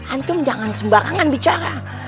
antum jangan sembarangan bicara